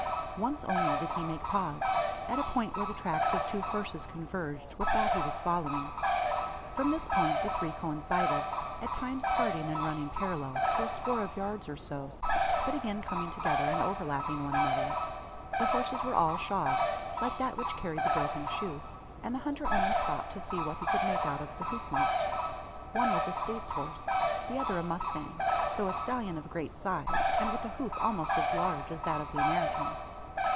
Once only did he make pause; at a point where the tracks of two horses converged with that he was following. From this point the three coincided at times parting and running parallel, for a score of yards or so, but again coming together and overlapping one another. The horses were all shod like that which carried the broken shoe and the hunter only stopped to see what he could make out of the hoof marks. One was a "States horse;" the other a mustang though a stallion of great size, and with a hoof almost as large as that of the American.